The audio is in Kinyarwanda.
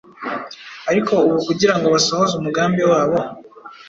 Ariko ubu kugira ngo basohoze umugambi wabo,